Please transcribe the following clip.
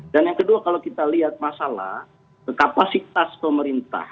yang kedua kalau kita lihat masalah kapasitas pemerintah